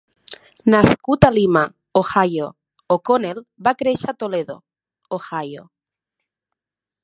Nascut a Lima, Ohio, O'Connell va créixer a Toledo, Ohio.